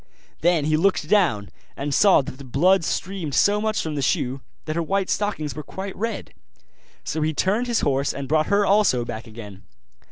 Then he looked down, and saw that the blood streamed so much from the shoe, that her white stockings were quite red. So he turned his horse and brought her also back again.